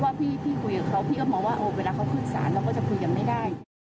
แต่พี่ไม่คิดว่ามันเกิดบานปลายปลองไปปลองมา